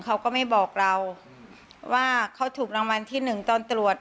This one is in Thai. เขาก็ไม่บอกเราว่าเขาถูกรางวัลที่หนึ่งตอนตรวจ